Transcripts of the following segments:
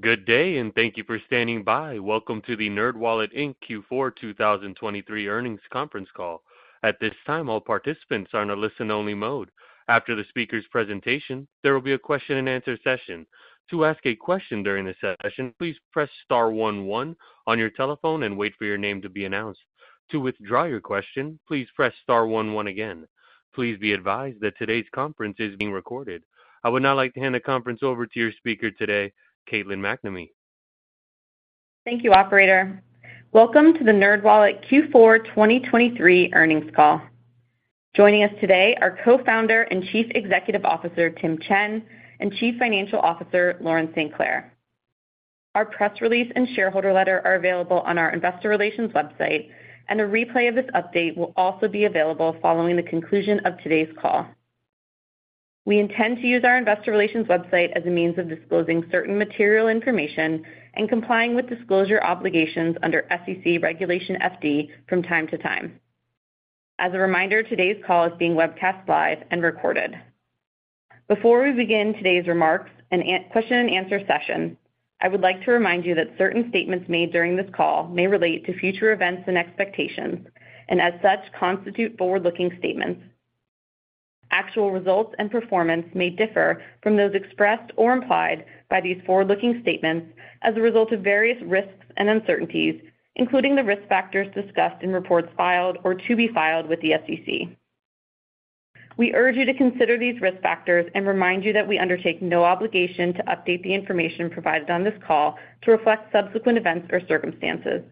Good day and thank you for standing by. Welcome to the NerdWallet Inc. Q4 2023 earnings conference call. At this time, all participants are in a listen-only mode. After the speaker's presentation, there will be a question-and-answer session. To ask a question during the session, please press star 11 on your telephone and wait for your name to be announced. To withdraw your question, please press star 11 again. Please be advised that today's conference is being recorded. I would now like to hand the conference over to your speaker today, Caitlin MacNamee. Thank you, Operator. Welcome to the NerdWallet Q4 2023 earnings call. Joining us today are Co-Founder and Chief Executive Officer Tim Chen and Chief Financial Officer Lauren St. Clair. Our press release and shareholder letter are available on our Investor Relations website, and a replay of this update will also be available following the conclusion of today's call. We intend to use our Investor Relations website as a means of disclosing certain material information and complying with disclosure obligations under SEC Regulation FD from time to time. As a reminder, today's call is being webcast live and recorded. Before we begin today's remarks and question-and-answer session, I would like to remind you that certain statements made during this call may relate to future events and expectations, and as such constitute forward-looking statements. Actual results and performance may differ from those expressed or implied by these forward-looking statements as a result of various risks and uncertainties, including the risk factors discussed in reports filed or to be filed with the SEC. We urge you to consider these risk factors and remind you that we undertake no obligation to update the information provided on this call to reflect subsequent events or circumstances.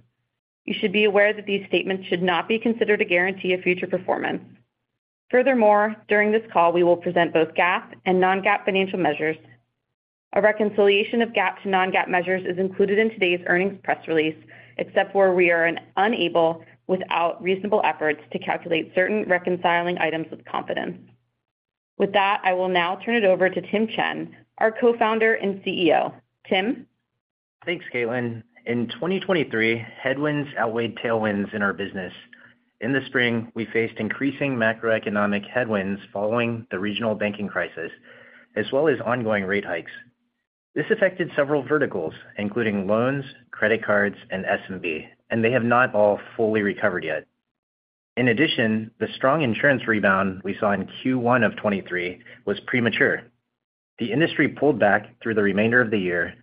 You should be aware that these statements should not be considered a guarantee of future performance. Furthermore, during this call, we will present both GAAP and non-GAAP financial measures. A reconciliation of GAAP to non-GAAP measures is included in today's earnings press release, except where we are unable, without reasonable efforts, to calculate certain reconciling items with confidence. With that, I will now turn it over to Tim Chen, our Co-Founder and CEO. Tim? Thanks, Caitlin. In 2023, headwinds outweighed tailwinds in our business. In the spring, we faced increasing macroeconomic headwinds following the regional banking crisis, as well as ongoing rate hikes. This affected several verticals, including loans, credit cards, and SMB, and they have not all fully recovered yet. In addition, the strong insurance rebound we saw in Q1 of 2023 was premature. The industry pulled back through the remainder of the year.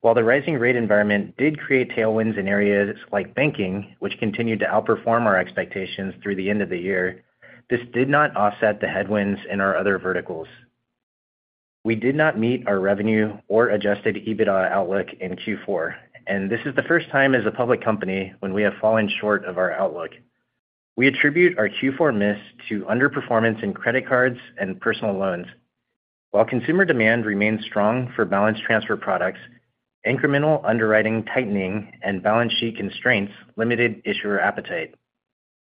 While the rising rate environment did create tailwinds in areas like banking, which continued to outperform our expectations through the end of the year, this did not offset the headwinds in our other verticals. We did not meet our revenue or Adjusted EBITDA outlook in Q4, and this is the first time as a public company when we have fallen short of our outlook. We attribute our Q4 miss to underperformance in credit cards and personal loans. While consumer demand remained strong for balance transfer products, incremental underwriting tightening and balance sheet constraints limited issuer appetite.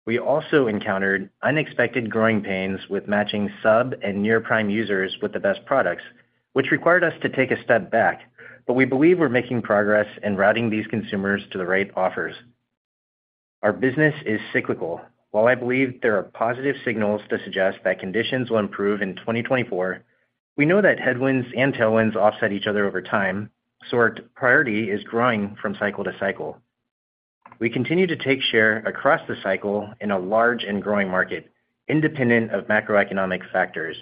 We also encountered unexpected growing pains with matching sub- and near prime users with the best products, which required us to take a step back, but we believe we're making progress in routing these consumers to the right offers. Our business is cyclical. While I believe there are positive signals to suggest that conditions will improve in 2024, we know that headwinds and tailwinds offset each other over time, so our priority is growing from cycle to cycle. We continue to take share across the cycle in a large and growing market, independent of macroeconomic factors.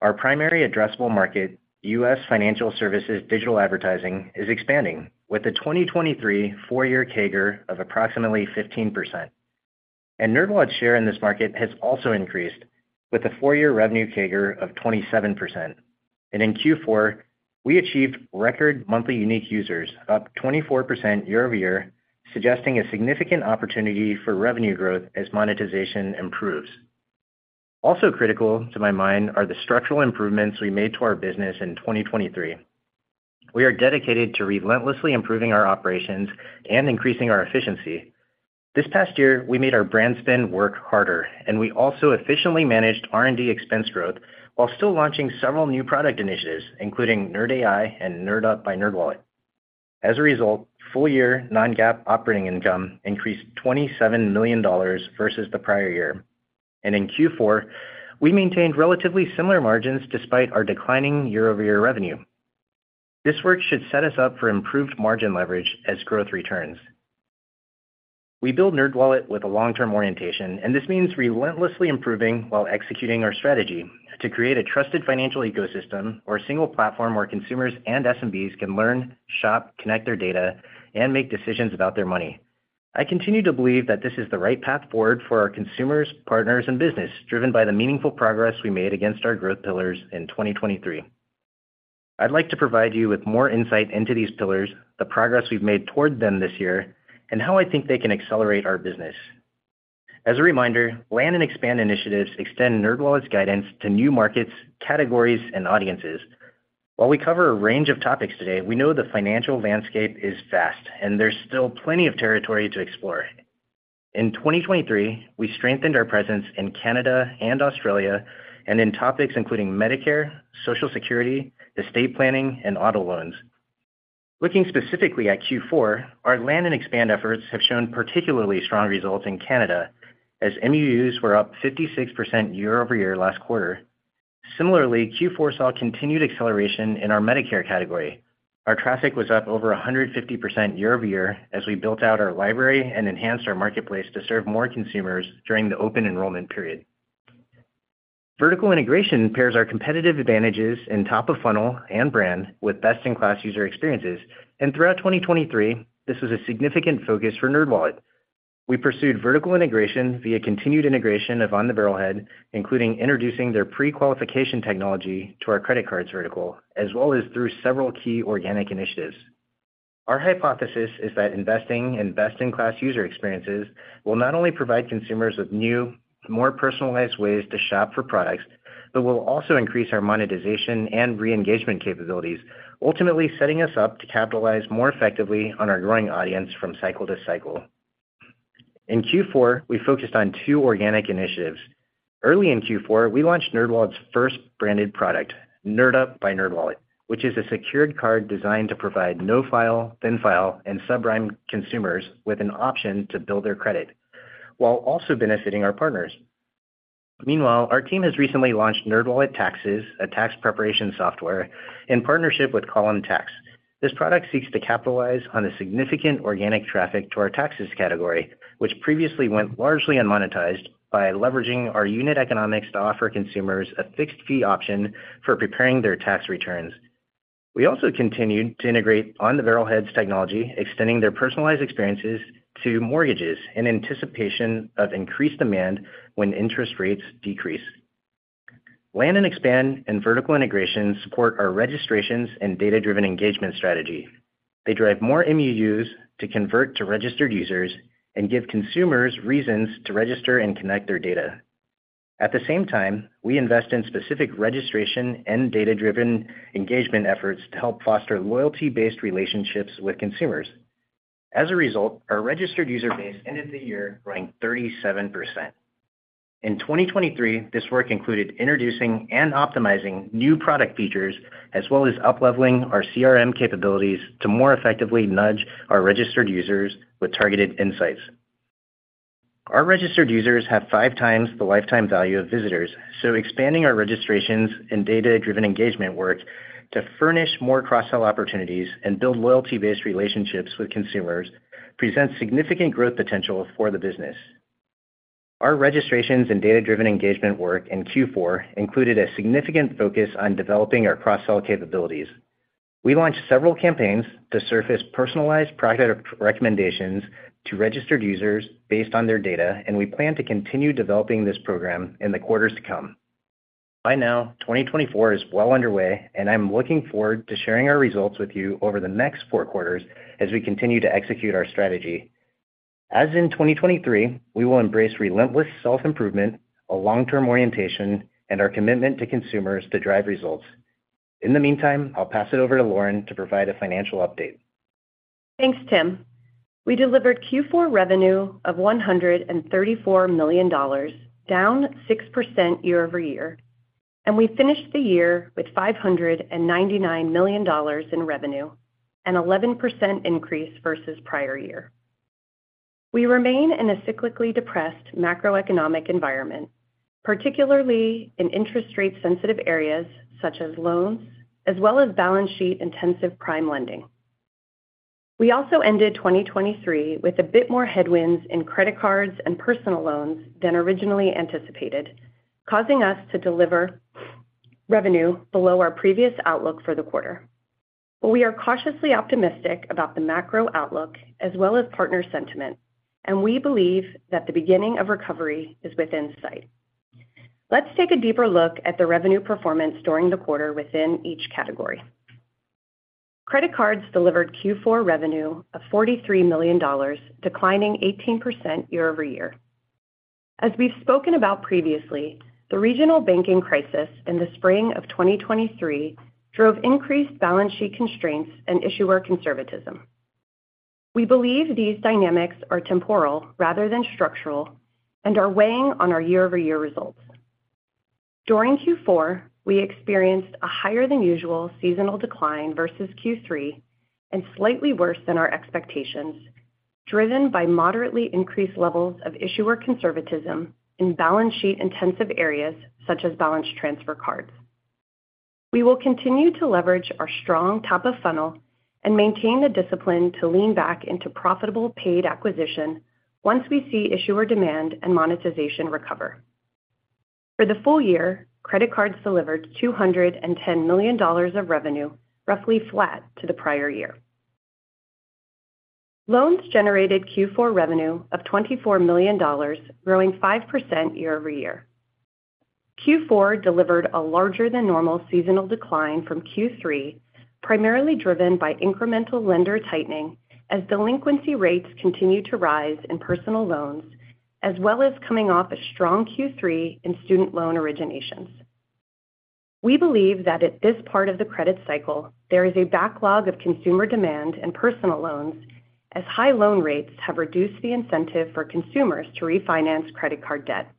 Our primary addressable market, U.S. financial services digital advertising, is expanding, with a 2023 four-year CAGR of approximately 15%. NerdWallet's share in this market has also increased, with a four-year revenue CAGR of 27%. And in Q4, we achieved record monthly unique users, up 24% year-over-year, suggesting a significant opportunity for revenue growth as monetization improves. Also critical to my mind are the structural improvements we made to our business in 2023. We are dedicated to relentlessly improving our operations and increasing our efficiency. This past year, we made our brand spend work harder, and we also efficiently managed R&D expense growth while still launching several new product initiatives, including NerdAI and NerdUp by NerdWallet. As a result, full-year non-GAAP operating income increased $27,000,000 versus the prior year. And in Q4, we maintained relatively similar margins despite our declining year-over-year revenue. This work should set us up for improved margin leverage as growth returns. We build NerdWallet with a long-term orientation, and this means relentlessly improving while executing our strategy to create a trusted financial ecosystem, or a single platform where consumers and SMBs can learn, shop, connect their data, and make decisions about their money. I continue to believe that this is the right path forward for our consumers, partners, and business, driven by the meaningful progress we made against our growth pillars in 2023. I'd like to provide you with more insight into these pillars, the progress we've made toward them this year, and how I think they can accelerate our business. As a reminder, land and expand initiatives extend NerdWallet's guidance to new markets, categories, and audiences. While we cover a range of topics today, we know the financial landscape is vast, and there's still plenty of territory to explore. In 2023, we strengthened our presence in Canada and Australia and in topics including Medicare, Social Security, estate planning, and auto loans. Looking specifically at Q4, our land and expand efforts have shown particularly strong results in Canada, as MUUs were up 56% year-over-year last quarter. Similarly, Q4 saw continued acceleration in our Medicare category. Our traffic was up over 150% year-over-year as we built out our library and enhanced our marketplace to serve more consumers during the open enrollment period. Vertical integration pairs our competitive advantages in top-of-funnel and brand with best-in-class user experiences, and throughout 2023, this was a significant focus for NerdWallet. We pursued vertical integration via continued integration of On The Barrelhead, including introducing their pre-qualification technology to our credit cards vertical, as well as through several key organic initiatives. Our hypothesis is that investing in best-in-class user experiences will not only provide consumers with new, more personalized ways to shop for products, but will also increase our monetization and re-engagement capabilities, ultimately setting us up to capitalize more effectively on our growing audience from cycle to cycle. In Q4, we focused on two organic initiatives. Early in Q4, we launched NerdWallet's first branded product, NerdUp by NerdWallet, which is a secured card designed to provide no-file, thin-file, and subprime consumers with an option to build their credit, while also benefiting our partners. Meanwhile, our team has recently launched NerdWallet Taxes, a tax preparation software in partnership with Column Tax. This product seeks to capitalize on the significant organic traffic to our taxes category, which previously went largely unmonetized by leveraging our unit economics to offer consumers a fixed-fee option for preparing their tax returns. We also continued to integrate On The Barrelhead's technology, extending their personalized experiences to mortgages in anticipation of increased demand when interest rates decrease. Land and expand and vertical integration support our registrations and data-driven engagement strategy. They drive more MUUs to convert to registered users and give consumers reasons to register and connect their data. At the same time, we invest in specific registration and data-driven engagement efforts to help foster loyalty-based relationships with consumers. As a result, our registered user base ended the year growing 37%. In 2023, this work included introducing and optimizing new product features, as well as upleveling our CRM capabilities to more effectively nudge our registered users with targeted insights. Our registered users have 5 times the lifetime value of visitors, so expanding our registrations and data-driven engagement work to furnish more cross-sell opportunities and build loyalty-based relationships with consumers presents significant growth potential for the business. Our registrations and data-driven engagement work in Q4 included a significant focus on developing our cross-sell capabilities. We launched several campaigns to surface personalized product recommendations to registered users based on their data, and we plan to continue developing this program in the quarters to come. By now, 2024 is well underway, and I'm looking forward to sharing our results with you over the next 4 quarters as we continue to execute our strategy. As in 2023, we will embrace relentless self-improvement, a long-term orientation, and our commitment to consumers to drive results. In the meantime, I'll pass it over to Lauren to provide a financial update. Thanks, Tim. We delivered Q4 revenue of $134,000,000, down 6% year-over-year, and we finished the year with $599,000,000 in revenue, an 11% increase versus prior year. We remain in a cyclically depressed macroeconomic environment, particularly in interest rate-sensitive areas such as loans, as well as balance sheet-intensive prime lending. We also ended 2023 with a bit more headwinds in credit cards and personal loans than originally anticipated, causing us to deliver revenue below our previous outlook for the quarter. But we are cautiously optimistic about the macro outlook as well as partner sentiment, and we believe that the beginning of recovery is within sight. Let's take a deeper look at the revenue performance during the quarter within each category. Credit cards delivered Q4 revenue of $43,000,000, declining 18% year-over-year. As we've spoken about previously, the regional banking crisis in the spring of 2023 drove increased balance sheet constraints and issuer conservatism. We believe these dynamics are temporary rather than structural and are weighing on our year-over-year results. During Q4, we experienced a higher-than-usual seasonal decline versus Q3 and slightly worse than our expectations, driven by moderately increased levels of issuer conservatism in balance sheet-intensive areas such as balance transfer cards. We will continue to leverage our strong top-of-funnel and maintain the discipline to lean back into profitable paid acquisition once we see issuer demand and monetization recover. For the full year, credit cards delivered $210,000,000 of revenue, roughly flat to the prior year. Loans generated Q4 revenue of $24,000,000, growing 5% year-over-year. Q4 delivered a larger-than-normal seasonal decline from Q3, primarily driven by incremental lender tightening as delinquency rates continued to rise in personal loans, as well as coming off a strong Q3 in student loan originations. We believe that at this part of the credit cycle, there is a backlog of consumer demand and personal loans, as high loan rates have reduced the incentive for consumers to refinance credit card debt.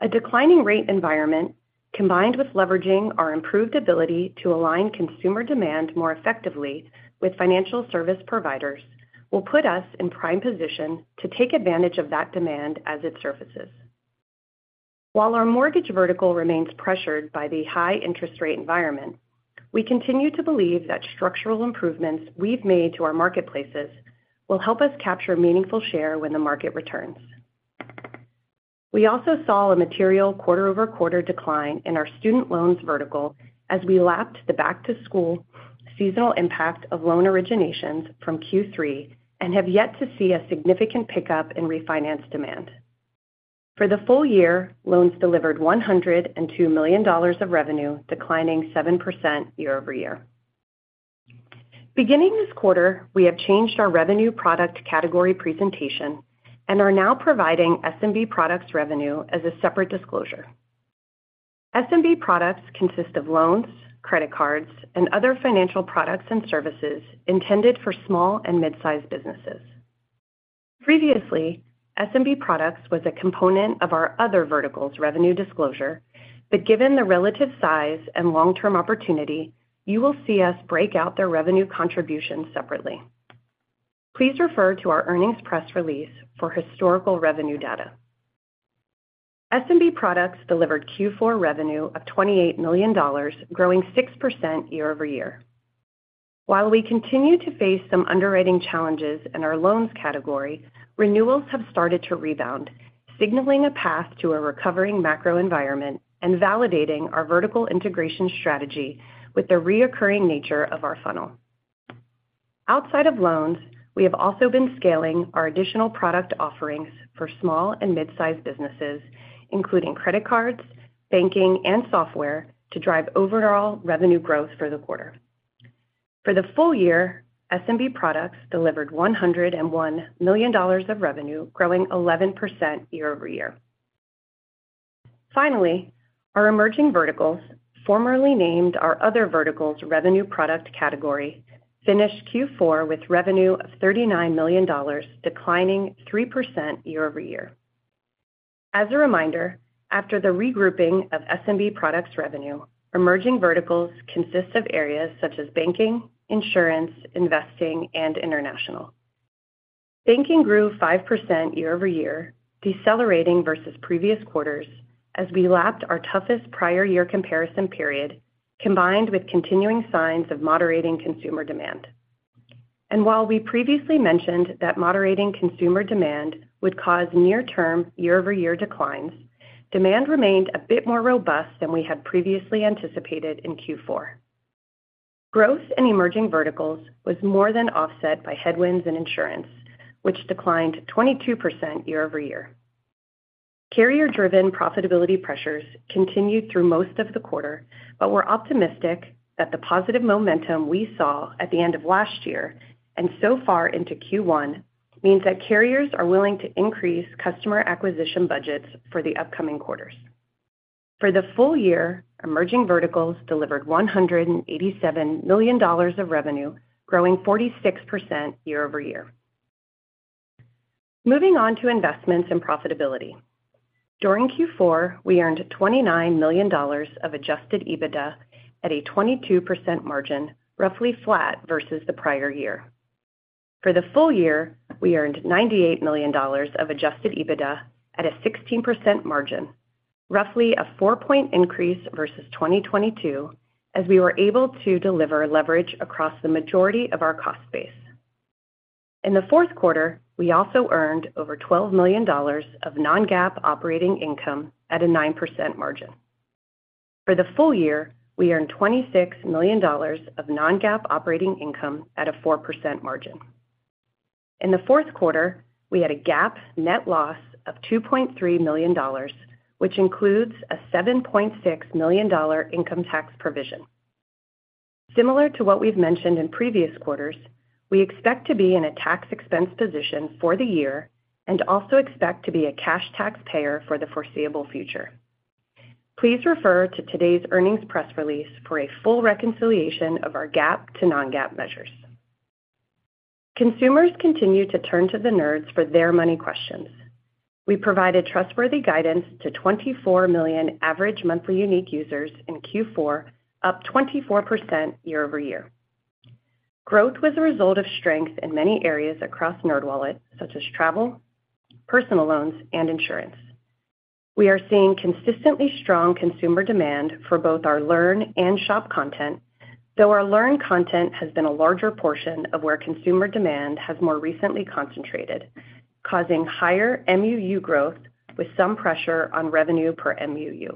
A declining rate environment, combined with leveraging our improved ability to align consumer demand more effectively with financial service providers, will put us in prime position to take advantage of that demand as it surfaces. While our mortgage vertical remains pressured by the high interest rate environment, we continue to believe that structural improvements we've made to our marketplaces will help us capture meaningful share when the market returns. We also saw a material quarter-over-quarter decline in our student loans vertical as we lapped the back-to-school seasonal impact of loan originations from Q3 and have yet to see a significant pickup in refinance demand. For the full year, loans delivered $102,000,000 of revenue, declining 7% year-over-year. Beginning this quarter, we have changed our revenue product category presentation and are now providing SMB products revenue as a separate disclosure. SMB products consist of loans, credit cards, and other financial products and services intended for small and midsize businesses. Previously, SMB products was a component of our other vertical's revenue disclosure, but given the relative size and long-term opportunity, you will see us break out their revenue contributions separately. Please refer to our earnings press release for historical revenue data. SMB products delivered Q4 revenue of $28,000,000, growing 6% year-over-year. While we continue to face some underwriting challenges in our loans category, renewals have started to rebound, signaling a path to a recovering macro environment and validating our vertical integration strategy with the recurring nature of our funnel. Outside of loans, we have also been scaling our additional product offerings for small and midsize businesses, including credit cards, banking, and software, to drive overall revenue growth for the quarter. For the full year, SMB products delivered $101,000,000 of revenue, growing 11% year-over-year. Finally, our emerging verticals, formerly named our other vertical's revenue product category, finished Q4 with revenue of $39,000,000, declining 3% year-over-year. As a reminder, after the regrouping of SMB products revenue, emerging verticals consist of areas such as banking, insurance, investing, and international. Banking grew 5% year-over-year, decelerating versus previous quarters as we lapped our toughest prior-year comparison period, combined with continuing signs of moderating consumer demand. And while we previously mentioned that moderating consumer demand would cause near-term year-over-year declines, demand remained a bit more robust than we had previously anticipated in Q4. Growth in emerging verticals was more than offset by headwinds in insurance, which declined 22% year-over-year. Carrier-driven profitability pressures continued through most of the quarter, but we're optimistic that the positive momentum we saw at the end of last year and so far into Q1 means that carriers are willing to increase customer acquisition budgets for the upcoming quarters. For the full year, emerging verticals delivered $187,000,000 of revenue, growing 46% year-over-year. Moving on to investments and profitability. During Q4, we earned $29,000,000 of Adjusted EBITDA at a 22% margin, roughly flat versus the prior year. For the full year, we earned $98,000,000 of Adjusted EBITDA at a 16% margin, roughly a four-point increase versus 2022, as we were able to deliver leverage across the majority of our cost base. In the fourth quarter, we also earned over $12,000,000 of Non-GAAP Operating Income at a 9% margin. For the full year, we earned $26,000,000 of Non-GAAP Operating Income at a 4% margin. In the fourth quarter, we had a GAAP net loss of $2,300,000, which includes a $7,600,000 income tax provision. Similar to what we've mentioned in previous quarters, we expect to be in a tax expense position for the year and also expect to be a cash tax payer for the foreseeable future. Please refer to today's earnings press release for a full reconciliation of our GAAP to non-GAAP measures. Consumers continue to turn to the nerds for their money questions. We provided trustworthy guidance to 24,000,000 average monthly unique users in Q4, up 24% year-over-year. Growth was a result of strength in many areas across NerdWallet, such as travel, personal loans, and insurance. We are seeing consistently strong consumer demand for both our learn and shop content, though our learn content has been a larger portion of where consumer demand has more recently concentrated, causing higher MUU growth with some pressure on revenue per MUU.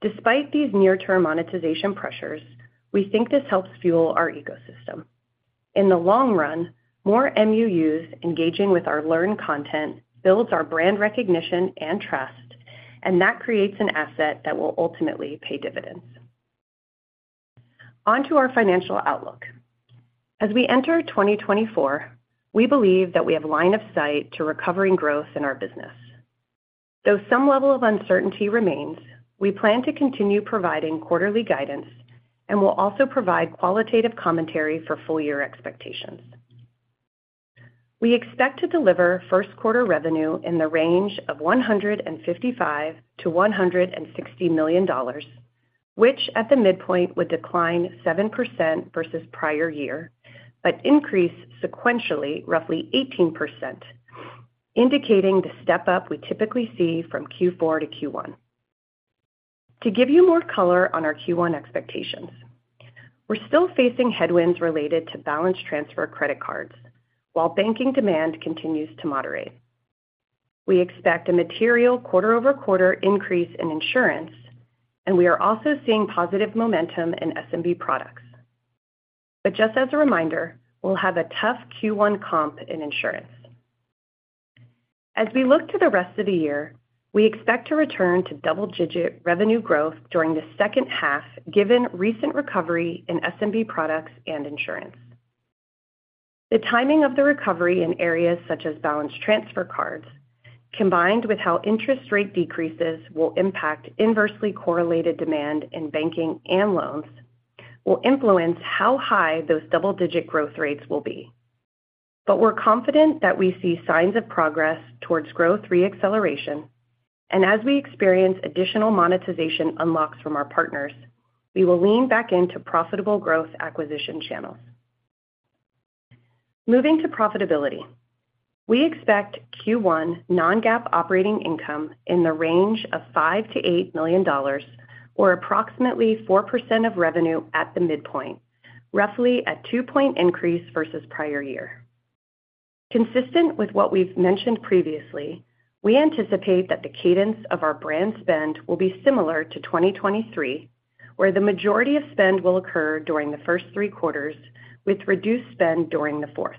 Despite these near-term monetization pressures, we think this helps fuel our ecosystem. In the long run, more MUUs engaging with our learn content builds our brand recognition and trust, and that creates an asset that will ultimately pay dividends. Onto our financial outlook. As we enter 2024, we believe that we have line of sight to recovering growth in our business. Though some level of uncertainty remains, we plan to continue providing quarterly guidance and will also provide qualitative commentary for full-year expectations. We expect to deliver first-quarter revenue in the range of $155,000,000-$160,000,000, which at the midpoint would decline 7% versus prior year but increase sequentially roughly 18%, indicating the step-up we typically see from Q4 to Q1. To give you more color on our Q1 expectations, we're still facing headwinds related to balance transfer credit cards while banking demand continues to moderate. We expect a material quarter-over-quarter increase in insurance, and we are also seeing positive momentum in SMB products. But just as a reminder, we'll have a tough Q1 comp in insurance. As we look to the rest of the year, we expect to return to double-digit revenue growth during the second half given recent recovery in SMB products and insurance. The timing of the recovery in areas such as balance transfer cards, combined with how interest rate decreases will impact inversely correlated demand in banking and loans, will influence how high those double-digit growth rates will be. But we're confident that we see signs of progress towards growth reacceleration, and as we experience additional monetization unlocks from our partners, we will lean back into profitable growth acquisition channels. Moving to profitability, we expect Q1 non-GAAP operating income in the range of $5,000,000-$8,000,000 or approximately 4% of revenue at the midpoint, roughly a 2-point increase versus prior year. Consistent with what we've mentioned previously, we anticipate that the cadence of our brand spend will be similar to 2023, where the majority of spend will occur during the first three quarters with reduced spend during the fourth.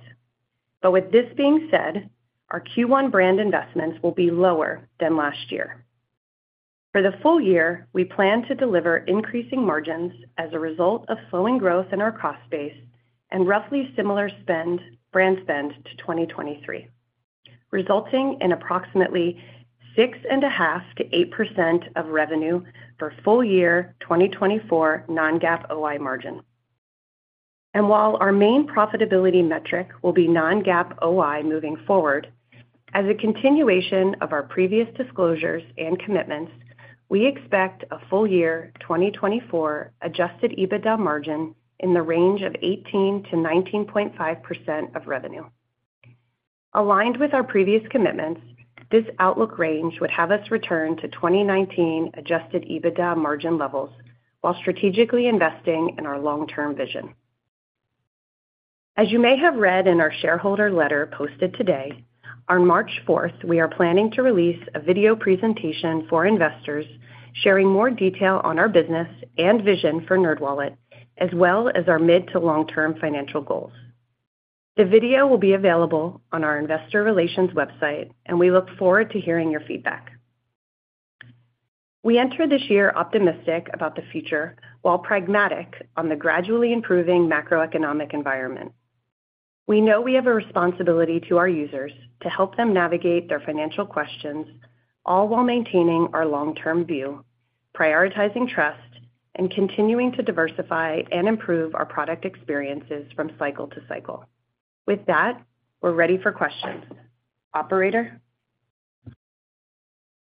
With this being said, our Q1 brand investments will be lower than last year. For the full year, we plan to deliver increasing margins as a result of slowing growth in our cost base and roughly similar brand spend to 2023, resulting in approximately 6.5%-8% of revenue for full-year 2024 Non-GAAP OI margin. While our main profitability metric will be Non-GAAP OI moving forward, as a continuation of our previous disclosures and commitments, we expect a full-year 2024 Adjusted EBITDA margin in the range of 18%-19.5% of revenue. Aligned with our previous commitments, this outlook range would have us return to 2019 Adjusted EBITDA margin levels while strategically investing in our long-term vision. As you may have read in our shareholder letter posted today, on March 4th, we are planning to release a video presentation for investors sharing more detail on our business and vision for NerdWallet, as well as our mid to long-term financial goals. The video will be available on our investor relations website, and we look forward to hearing your feedback. We enter this year optimistic about the future while pragmatic on the gradually improving macroeconomic environment. We know we have a responsibility to our users to help them navigate their financial questions, all while maintaining our long-term view, prioritizing trust, and continuing to diversify and improve our product experiences from cycle to cycle. With that, we're ready for questions. Operator?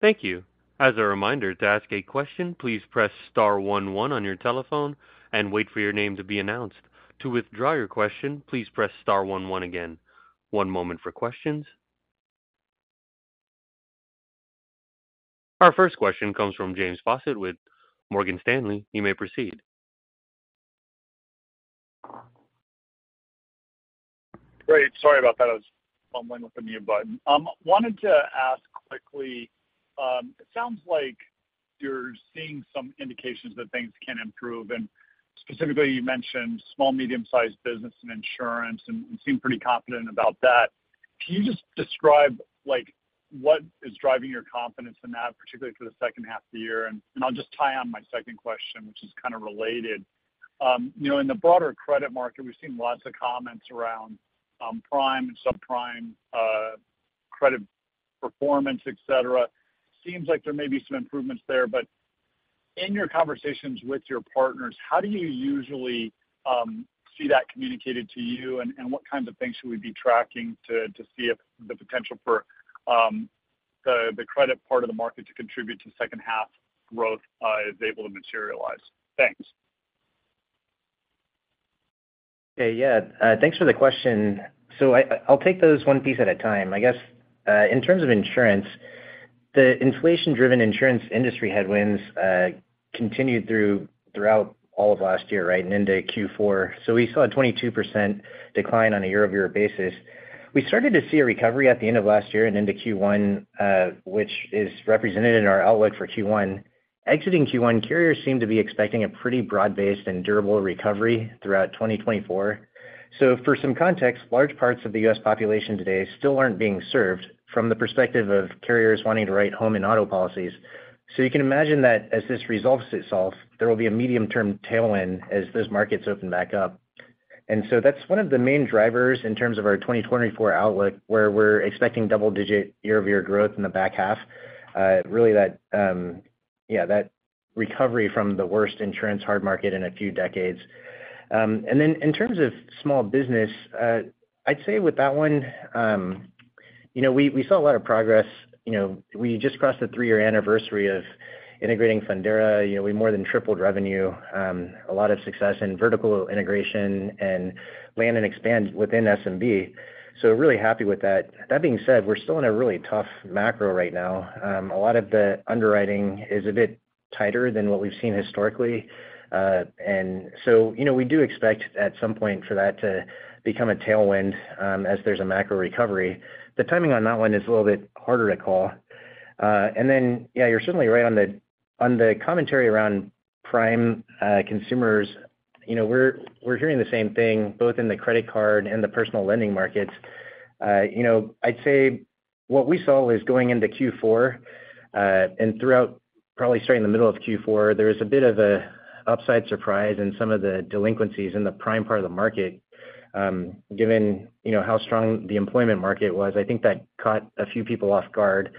Thank you. As a reminder, to ask a question, please press star 11 on your telephone and wait for your name to be announced. To withdraw your question, please press star 11 again. One moment for questions. Our first question comes from James Faucette with Morgan Stanley. You may proceed. Great. Sorry about that. I was bumbling with the mute button. Wanted to ask quickly, it sounds like you're seeing some indications that things can improve. And specifically, you mentioned small, medium-sized business and insurance and seem pretty confident about that. Can you just describe what is driving your confidence in that, particularly for the second half of the year? And I'll just tie on my second question, which is kind of related. In the broader credit market, we've seen lots of comments around prime and subprime credit performance, etc. Seems like there may be some improvements there. But in your conversations with your partners, how do you usually see that communicated to you, and what kinds of things should we be tracking to see if the potential for the credit part of the market to contribute to second-half growth is able to materialize? Thanks. Okay. Yeah. Thanks for the question. So I'll take those one piece at a time. I guess in terms of insurance, the inflation-driven insurance industry headwinds continued throughout all of last year, right, and into Q4. So we saw a 22% decline on a year-over-year basis. We started to see a recovery at the end of last year and into Q1, which is represented in our outlook for Q1. Exiting Q1, carriers seem to be expecting a pretty broad-based and durable recovery throughout 2024. So for some context, large parts of the U.S. population today still aren't being served from the perspective of carriers wanting to write home and auto policies. So you can imagine that as this resolves itself, there will be a medium-term tailwind as those markets open back up. So that's one of the main drivers in terms of our 2024 outlook, where we're expecting double-digit year-over-year growth in the back half, really that recovery from the worst insurance hard market in a few decades. And then in terms of small business, I'd say with that one, we saw a lot of progress. We just crossed the three-year anniversary of integrating Fundera. We more than tripled revenue, a lot of success in vertical integration and land and expand within SMB. So really happy with that. That being said, we're still in a really tough macro right now. A lot of the underwriting is a bit tighter than what we've seen historically. And so we do expect at some point for that to become a tailwind as there's a macro recovery. The timing on that one is a little bit harder to call. And then, yeah, you're certainly right on the commentary around prime consumers. We're hearing the same thing both in the credit card and the personal lending markets. I'd say what we saw was going into Q4, and throughout probably starting in the middle of Q4, there was a bit of an upside surprise in some of the delinquencies in the prime part of the market. Given how strong the employment market was, I think that caught a few people off guard.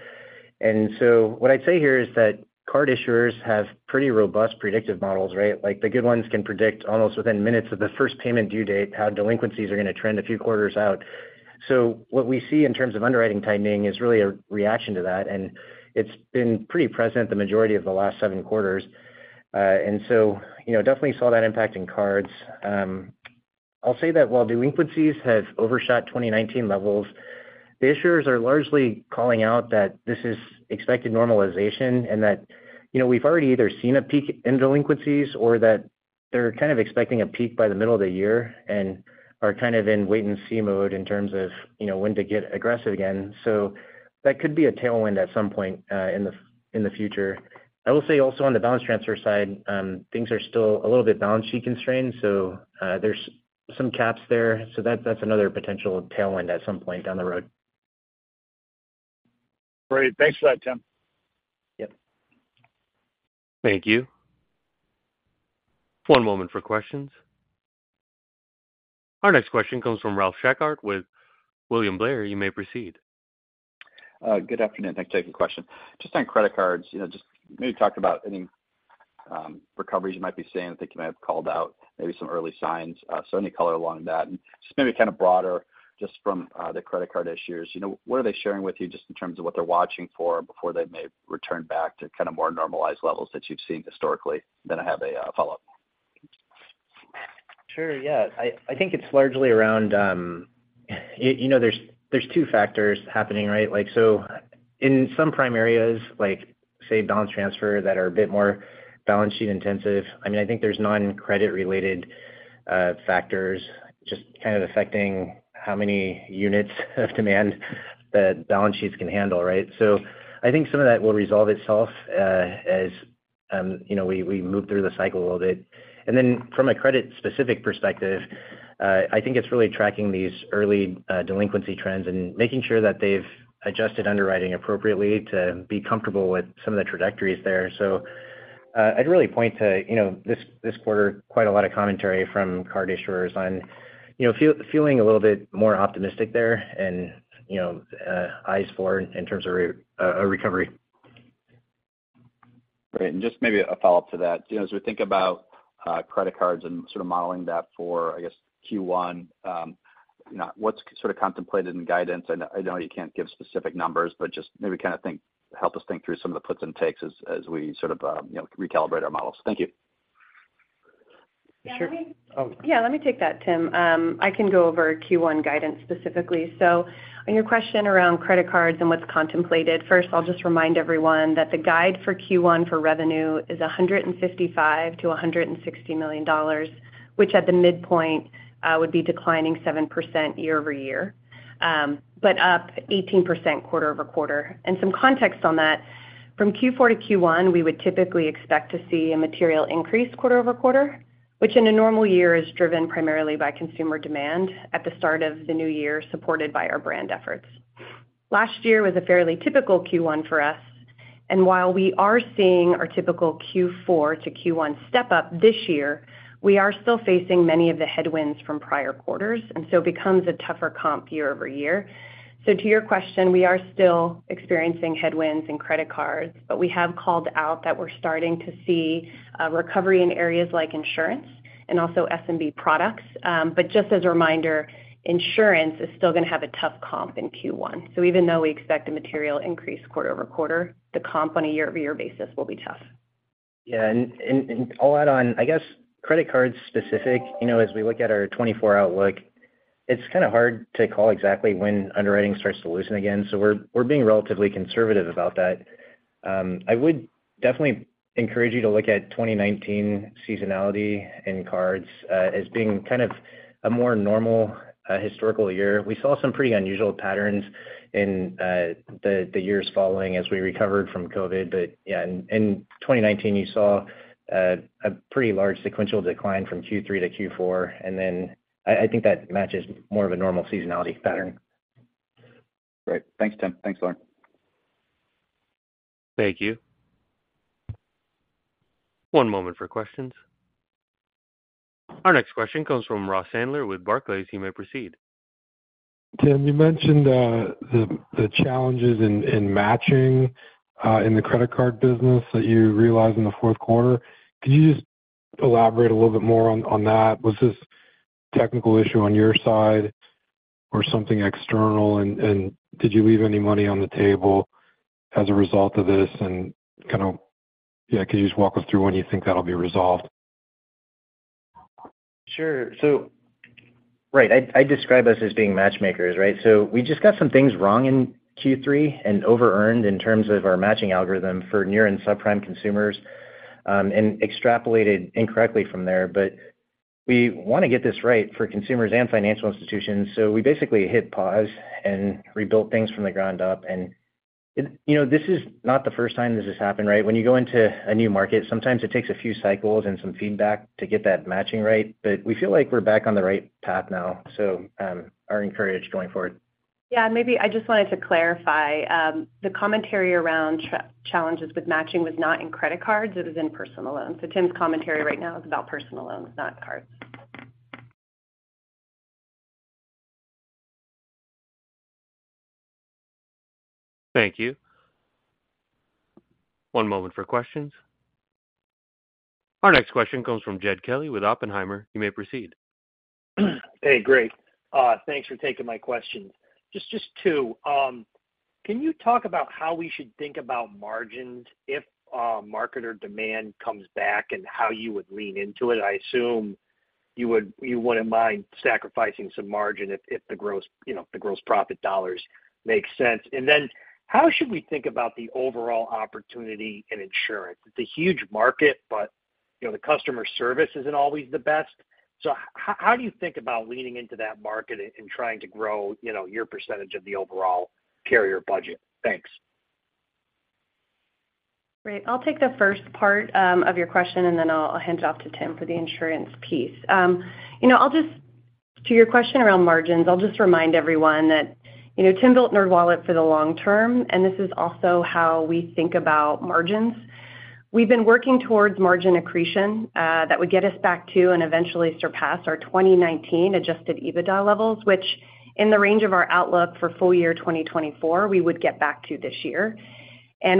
And so what I'd say here is that card issuers have pretty robust predictive models, right? The good ones can predict almost within minutes of the first payment due date how delinquencies are going to trend a few quarters out. So what we see in terms of underwriting tightening is really a reaction to that, and it's been pretty present the majority of the last 7 quarters. Definitely saw that impact in cards. I'll say that while delinquencies have overshot 2019 levels, the issuers are largely calling out that this is expected normalization and that we've already either seen a peak in delinquencies or that they're kind of expecting a peak by the middle of the year and are kind of in wait-and-see mode in terms of when to get aggressive again. That could be a tailwind at some point in the future. I will say also on the balance transfer side, things are still a little bit balance sheet constrained, so there's some caps there. That's another potential tailwind at some point down the road. Great. Thanks for that, Tim. Yep. Thank you. One moment for questions. Our next question comes from Ralph Schackart with William Blair. You may proceed. Good afternoon. Thanks for taking the question. Just on credit cards, just maybe talk about any recoveries you might be seeing that they might have called out, maybe some early signs. So any color along that. And just maybe kind of broader, just from the credit card issuers, what are they sharing with you just in terms of what they're watching for before they may return back to kind of more normalized levels that you've seen historically? Then I have a follow-up. Sure. Yeah. I think it's largely around there's two factors happening, right? So in some prime areas, say balance transfer that are a bit more balance sheet intensive, I mean, I think there's non-credit-related factors just kind of affecting how many units of demand that balance sheets can handle, right? So I think some of that will resolve itself as we move through the cycle a little bit. And then from a credit-specific perspective, I think it's really tracking these early delinquency trends and making sure that they've adjusted underwriting appropriately to be comfortable with some of the trajectories there. So I'd really point to this quarter, quite a lot of commentary from card issuers on feeling a little bit more optimistic there and eyes forward in terms of a recovery. Great. And just maybe a follow-up to that, as we think about credit cards and sort of modeling that for, I guess, Q1, what's sort of contemplated in guidance? I know you can't give specific numbers, but just maybe kind of help us think through some of the puts and takes as we sort of recalibrate our models. Thank you. Yeah. Let me take that, Tim. I can go over Q1 guidance specifically. So on your question around credit cards and what's contemplated, first, I'll just remind everyone that the guide for Q1 for revenue is $155,000,000-$160,000,000, which at the midpoint would be declining 7% year-over-year, but up 18% quarter-over-quarter. And some context on that, from Q4 to Q1, we would typically expect to see a material increase quarter-over-quarter, which in a normal year is driven primarily by consumer demand at the start of the new year supported by our brand efforts. Last year was a fairly typical Q1 for us. And while we are seeing our typical Q4 to Q1 step up this year, we are still facing many of the headwinds from prior quarters, and so it becomes a tougher comp year-over-year. So to your question, we are still experiencing headwinds in credit cards, but we have called out that we're starting to see a recovery in areas like insurance and also SMB products. But just as a reminder, insurance is still going to have a tough comp in Q1. So even though we expect a material increase quarter-over-quarter, the comp on a year-over-year basis will be tough. Yeah. And I'll add on, I guess credit cards specific, as we look at our 24-hour outlook, it's kind of hard to call exactly when underwriting starts to loosen again. So we're being relatively conservative about that. I would definitely encourage you to look at 2019 seasonality in cards as being kind of a more normal historical year. We saw some pretty unusual patterns in the years following as we recovered from COVID. But yeah, in 2019, you saw a pretty large sequential decline from Q3 to Q4. And then I think that matches more of a normal seasonality pattern. Great. Thanks, Tim. Thanks, Lauren. Thank you. One moment for questions. Our next question comes from Ross Sandler with Barclays. You may proceed. Tim, you mentioned the challenges in matching in the credit card business that you realized in the fourth quarter. Could you just elaborate a little bit more on that? Was this technical issue on your side or something external? And did you leave any money on the table as a result of this? And kind of, yeah, could you just walk us through when you think that'll be resolved? Sure. So right. I describe us as being matchmakers, right? So we just got some things wrong in Q3 and over-earned in terms of our matching algorithm for near and subprime consumers and extrapolated incorrectly from there. But we want to get this right for consumers and financial institutions. So we basically hit pause and rebuilt things from the ground up. And this is not the first time this has happened, right? When you go into a new market, sometimes it takes a few cycles and some feedback to get that matching right. But we feel like we're back on the right path now. So our encouragement going forward. Yeah. Maybe I just wanted to clarify. The commentary around challenges with matching was not in credit cards. It was in personal loans. Tim's commentary right now is about personal loans, not cards. Thank you. One moment for questions. Our next question comes from Jed Kelly with Oppenheimer. You may proceed. Hey. Great. Thanks for taking my questions. Just two. Can you talk about how we should think about margins if market or demand comes back and how you would lean into it? I assume you wouldn't mind sacrificing some margin if the gross profit dollars make sense. And then how should we think about the overall opportunity in insurance? It's a huge market, but the customer service isn't always the best. So how do you think about leaning into that market and trying to grow your percentage of the overall carrier budget? Thanks. Great. I'll take the first part of your question, and then I'll hand it off to Tim for the insurance piece. To your question around margins, I'll just remind everyone that Tim built NerdWallet for the long term, and this is also how we think about margins. We've been working towards margin accretion that would get us back to and eventually surpass our 2019 adjusted EBITDA levels, which in the range of our outlook for full year 2024, we would get back to this year.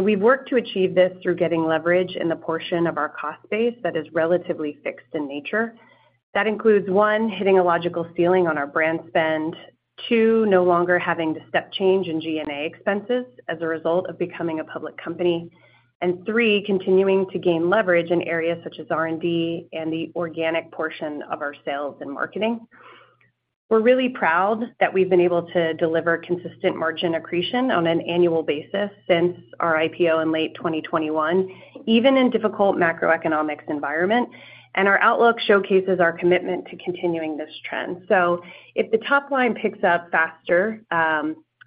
We've worked to achieve this through getting leverage in the portion of our cost base that is relatively fixed in nature. That includes 1, hitting a logical ceiling on our brand spend. 2, no longer having to step change in G&A expenses as a result of becoming a public company. And 3, continuing to gain leverage in areas such as R&D and the organic portion of our sales and marketing. We're really proud that we've been able to deliver consistent margin accretion on an annual basis since our IPO in late 2021, even in difficult macroeconomic environment. Our outlook showcases our commitment to continuing this trend. If the top line picks up faster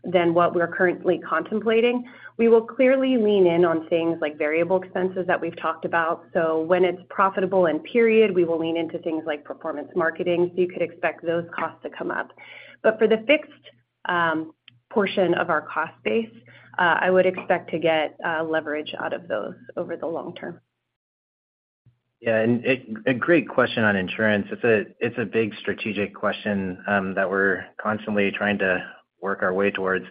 than what we're currently contemplating, we will clearly lean in on things like variable expenses that we've talked about. When it's profitable and period, we will lean into things like performance marketing. You could expect those costs to come up. For the fixed portion of our cost base, I would expect to get leverage out of those over the long term. Yeah. A great question on insurance. It's a big strategic question that we're constantly trying to work our way towards.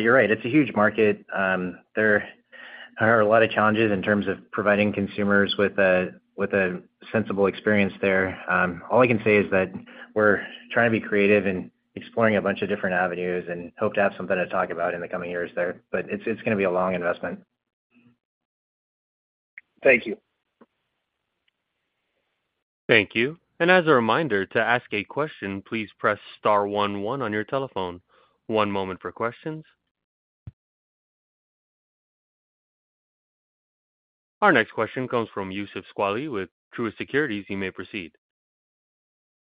You're right. It's a huge market. There are a lot of challenges in terms of providing consumers with a sensible experience there. All I can say is that we're trying to be creative and exploring a bunch of different avenues and hope to have something to talk about in the coming years there. But it's going to be a long investment. Thank you. Thank you. As a reminder, to ask a question, please press star 11 on your telephone. One moment for questions. Our next question comes from Youssef Squali with Truist Securities. You may proceed.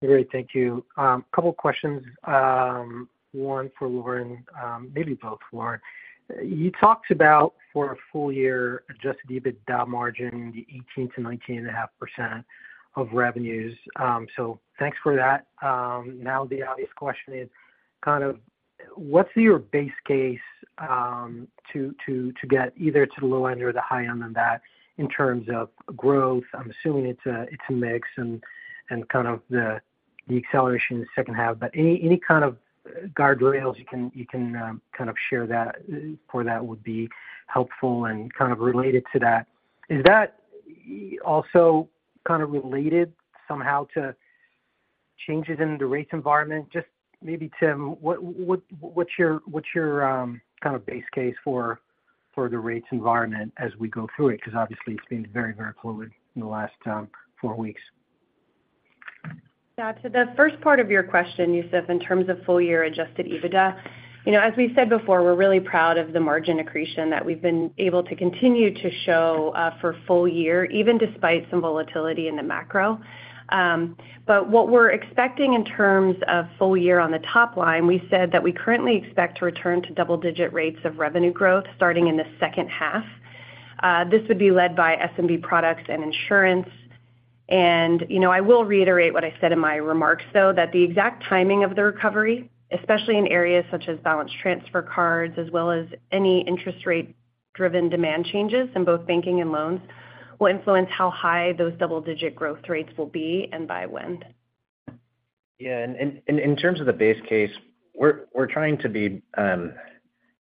Great. Thank you. A couple of questions. One for Lauren, maybe both, Lauren. You talked about for a full year Adjusted EBITDA margin, the 18%-19.5% of revenues. So thanks for that. Now, the obvious question is kind of what's your base case to get either to the low end or the high end on that in terms of growth? I'm assuming it's a mix and kind of the acceleration in the second half. But any kind of guardrails you can kind of share for that would be helpful and kind of related to that. Is that also kind of related somehow to changes in the rates environment? Just maybe, Tim, what's your kind of base case for the rates environment as we go through it? Because obviously, it's been very, very fluid in the last four weeks. Yeah. To the first part of your question, Yousef, in terms of full year Adjusted EBITDA, as we said before, we're really proud of the margin accretion that we've been able to continue to show for full year, even despite some volatility in the macro. But what we're expecting in terms of full year on the top line, we said that we currently expect to return to double-digit rates of revenue growth starting in the second half. This would be led by SMB products and insurance. And I will reiterate what I said in my remarks, though, that the exact timing of the recovery, especially in areas such as balance transfer cards as well as any interest-rate-driven demand changes in both banking and loans, will influence how high those double-digit growth rates will be and by when. Yeah. In terms of the base case, we're trying to be.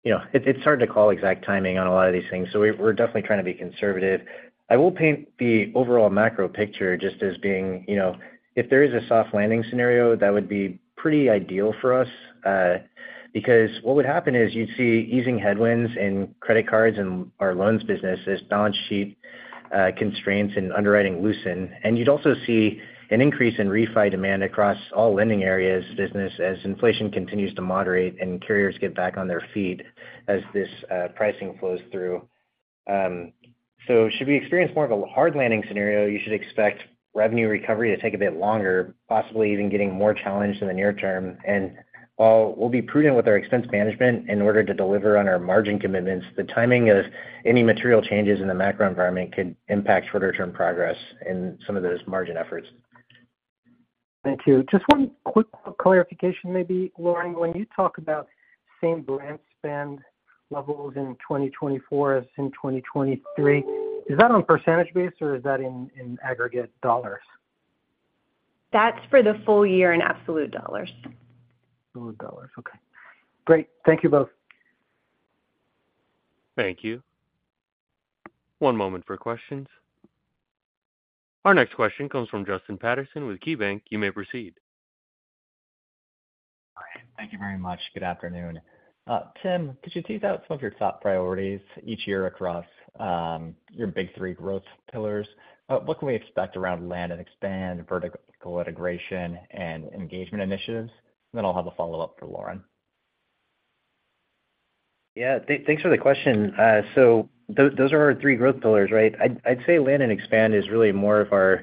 It's hard to call exact timing on a lot of these things. So we're definitely trying to be conservative. I will paint the overall macro picture just as being if there is a soft landing scenario, that would be pretty ideal for us. Because what would happen is you'd see easing headwinds in credit cards and our loans business as balance sheet constraints and underwriting loosen. And you'd also see an increase in refi demand across all lending areas business as inflation continues to moderate and carriers get back on their feet as this pricing flows through. So should we experience more of a hard landing scenario, you should expect revenue recovery to take a bit longer, possibly even getting more challenged in the near term. While we'll be prudent with our expense management in order to deliver on our margin commitments, the timing of any material changes in the macro environment could impact shorter-term progress in some of those margin efforts. Thank you. Just one quick clarification, maybe, Lauren. When you talk about same brand spend levels in 2024 as in 2023, is that on percentage base, or is that in aggregate dollars? That's for the full year in absolute dollars. Absolute dollars. Okay. Great. Thank you both. Thank you. One moment for questions. Our next question comes from Justin Patterson with KeyBanc. You may proceed. All right. Thank you very much. Good afternoon. Tim, could you tease out some of your top priorities each year across your big three growth pillars? What can we expect around land and expand, vertical integration, and engagement initiatives? And then I'll have a follow-up for Lauren. Yeah. Thanks for the question. So those are our three growth pillars, right? I'd say land and expand is really more of our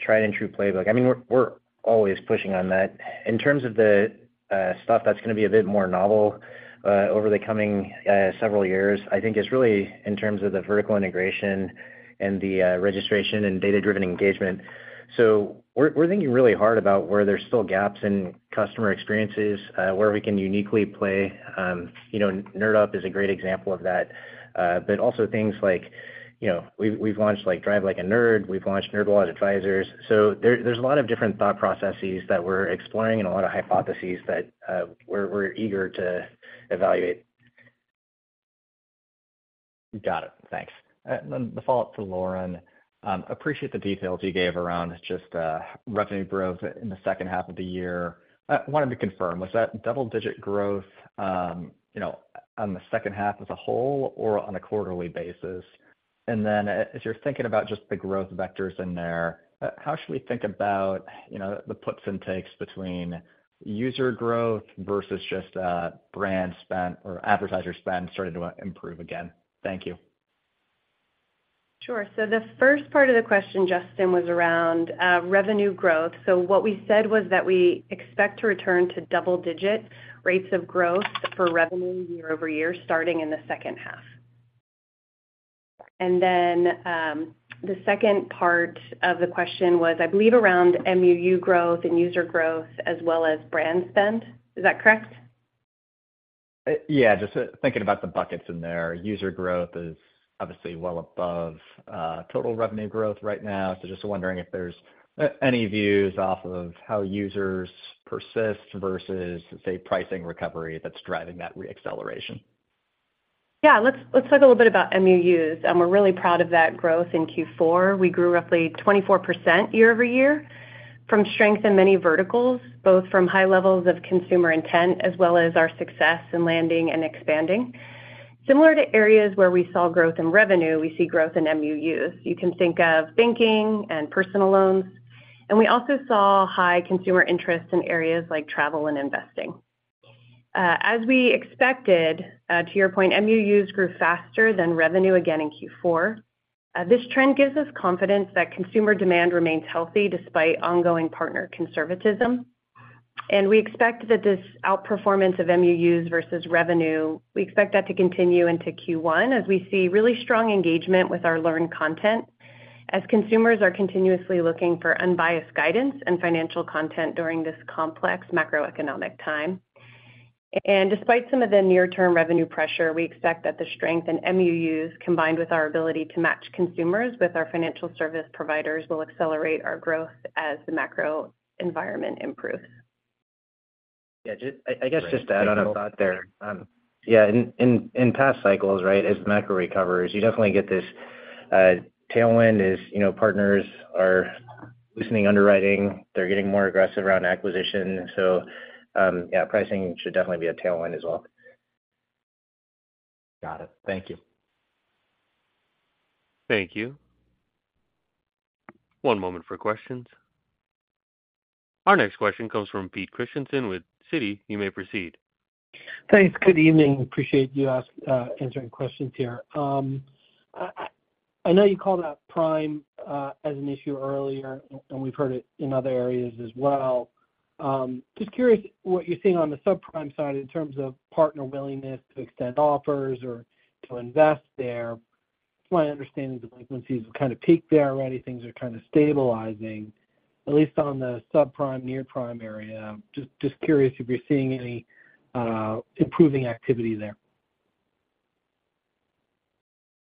tried-and-true playbook. I mean, we're always pushing on that. In terms of the stuff that's going to be a bit more novel over the coming several years, I think it's really in terms of the vertical integration and the registration and data-driven engagement. So we're thinking really hard about where there's still gaps in customer experiences, where we can uniquely play. NerdUp is a great example of that. But also things like we've launched Drive Like a Nerd. We've launched NerdWallet Advisors. So there's a lot of different thought processes that we're exploring and a lot of hypotheses that we're eager to evaluate. Got it. Thanks. And then the follow-up to Lauren. Appreciate the details you gave around just revenue growth in the second half of the year. I wanted to confirm, was that double-digit growth on the second half as a whole or on a quarterly basis? And then as you're thinking about just the growth vectors in there, how should we think about the puts and takes between user growth versus just brand spend or advertiser spend starting to improve again? Thank you. Sure. So the first part of the question, Justin, was around revenue growth. So what we said was that we expect to return to double-digit rates of growth for revenue year-over-year starting in the second half. And then the second part of the question was, I believe, around MUU growth and user growth as well as brand spend. Is that correct? Yeah. Just thinking about the buckets in there, user growth is obviously well above total revenue growth right now. So just wondering if there's any views off of how users persist versus, say, pricing recovery that's driving that reacceleration? Yeah. Let's talk a little bit about MUUs. And we're really proud of that growth in Q4. We grew roughly 24% year-over-year from strength in many verticals, both from high levels of consumer intent as well as our success in landing and expanding. Similar to areas where we saw growth in revenue, we see growth in MUUs. You can think of banking and personal loans. And we also saw high consumer interest in areas like travel and investing. As we expected, to your point, MUUs grew faster than revenue again in Q4. This trend gives us confidence that consumer demand remains healthy despite ongoing partner conservatism. We expect that this outperformance of MUUs versus revenue, we expect that to continue into Q1 as we see really strong engagement with our Nerd content as consumers are continuously looking for unbiased guidance and financial content during this complex macroeconomic time. Despite some of the near-term revenue pressure, we expect that the strength in MUUs, combined with our ability to match consumers with our financial service providers, will accelerate our growth as the macro environment improves. Yeah. I guess just to add on a thought there. Yeah. In past cycles, right, as the macro recovers, you definitely get this tailwind as partners are loosening underwriting. They're getting more aggressive around acquisition. So yeah, pricing should definitely be a tailwind as well. Got it. Thank you. Thank you. One moment for questions. Our next question comes from Pete Christiansen with Citi. You may proceed. Thanks. Good evening. Appreciate you answering questions here. I know you called out prime as an issue earlier, and we've heard it in other areas as well. Just curious what you're seeing on the subprime side in terms of partner willingness to extend offers or to invest there. My understanding is the frequencies have kind of peaked there already. Things are kind of stabilizing, at least on the subprime, near-prime area. Just curious if you're seeing any improving activity there.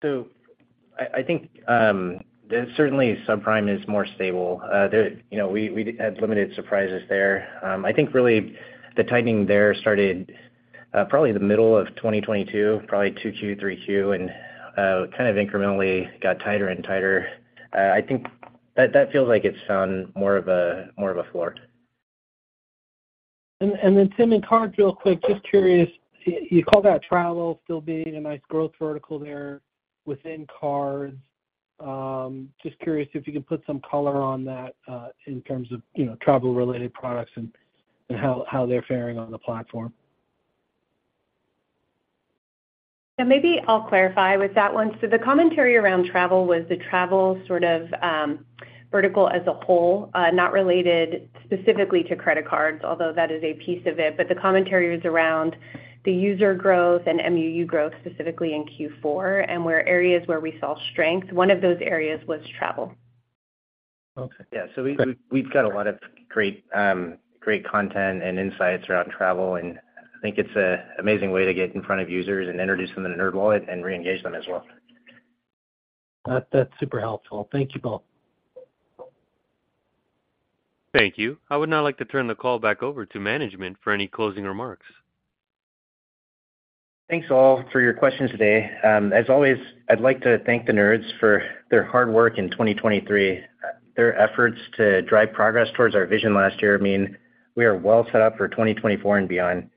So I think certainly subprime is more stable. We had limited surprises there. I think really the tightening there started probably the middle of 2022, probably 2Q, 3Q, and kind of incrementally got tighter and tighter. I think that feels like it's found more of a floor. And then, Tim, in cards real quick, just curious, you called out travel still being a nice growth vertical there within cards. Just curious if you can put some color on that in terms of travel-related products and how they're faring on the platform. Yeah. Maybe I'll clarify with that one. So the commentary around travel was the travel sort of vertical as a whole, not related specifically to credit cards, although that is a piece of it. But the commentary was around the user growth and MUU growth specifically in Q4 and the areas where we saw strength. One of those areas was travel. Okay. Yeah. We've got a lot of great content and insights around travel. I think it's an amazing way to get in front of users and introduce them to NerdWallet and reengage them as well. That's super helpful. Thank you both. Thank you. I would now like to turn the call back over to management for any closing remarks. Thanks all for your questions today. As always, I'd like to thank the nerds for their hard work in 2023. Their efforts to drive progress towards our vision last year mean we are well set up for 2024 and beyond.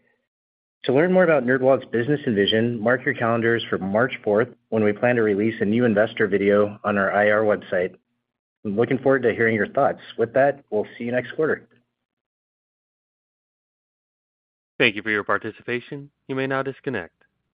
To learn more about NerdWallet's business and vision, mark your calendars for March 4th when we plan to release a new investor video on our IR website. I'm looking forward to hearing your thoughts. With that, we'll see you next quarter. Thank you for your participation. You may now disconnect.